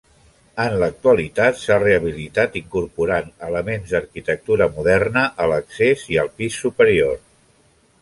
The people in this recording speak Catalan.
En l'actualitat s'ha rehabilitat incorporant elements d'arquitectura moderna a l'accés i al pis superior.